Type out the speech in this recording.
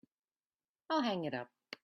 I'll hang it up.